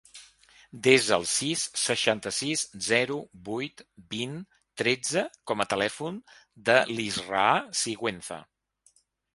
Desa el sis, seixanta-sis, zero, vuit, vint, tretze com a telèfon de l'Israa Siguenza.